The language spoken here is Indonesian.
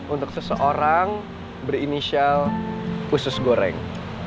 untuk seseorang berinisial khusus goreng